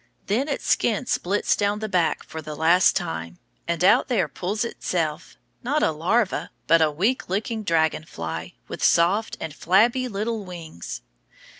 Then its skin splits down the back for the last time, and out there pulls itself, not a larva, but a weak looking dragon fly, with soft and flabby little wings.